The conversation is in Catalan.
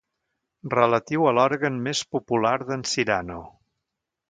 Relatiu a l'òrgan més popular d'en Cyrano.